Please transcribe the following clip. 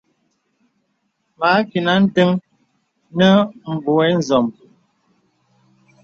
Mə à kinà ǹdəŋ nə buɛ zɔm.